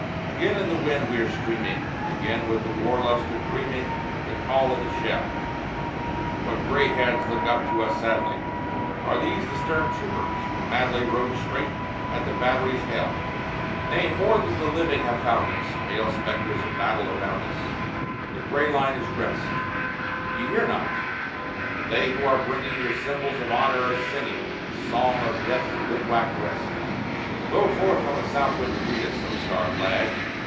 Again in the wind we are streaming, Again with the war lust are dreaming The call of the shell. What gray heads look up at us sadly? Are these the stern troopers who madly Rode straight at the battery's hell? Nay, more than the living have found us, Pale spectres of battle around us; The gray line is dressed. Ye hear not, but they who are bringing Your symbols of honor are singing The song of death's bivouac rest. Blow forth on the south wind to greet us, O star flag!